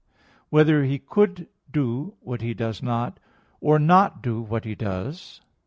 (5) Whether He could do what He does not, or not do what He does?